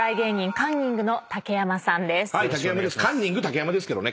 カンニング竹山ですけどね。